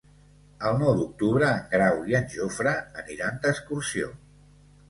El nou d'octubre en Grau i en Jofre aniran d'excursió.